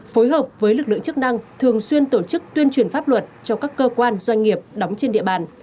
phối hợp với lực lượng chức năng thường xuyên tổ chức tuyên truyền pháp luật cho các cơ quan doanh nghiệp đóng trên địa bàn